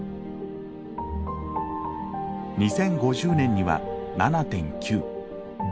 ２０５０年には７．９。